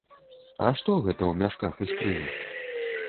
А што гэта ў мяшках і скрынях?